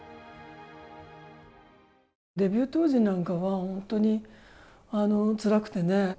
デビュー当時なんかは本当につらくてね。